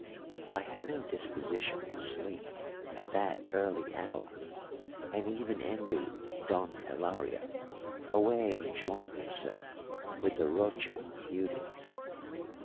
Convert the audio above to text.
I had no disposition to sleep at that early hour, and even envied Don Hilario, away enjoying himself with the Rocha beauties.